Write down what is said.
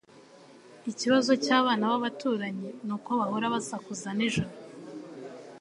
Ikibazo cyabana babaturanyi nuko bahora basakuza nijoro.